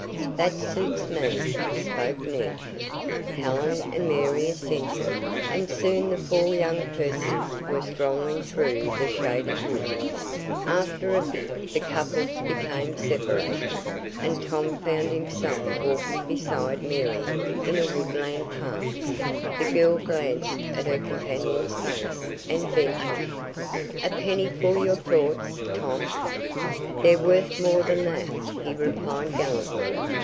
"That suits me," spoke Ned. Helen and Mary assented, and soon the four young persons were strolling through the shady wood. After a bit the couples became separated, and Tom found himself walking beside Mary in a woodland path. The girl glanced at her companion's face, and ventured: "A penny for your thoughts, Tom." "They're worth more than that," he replied gallantly.